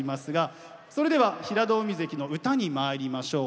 それでは平戸海関の歌にまいりましょう。